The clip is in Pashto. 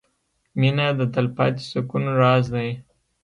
• مینه د تلپاتې سکون راز دی.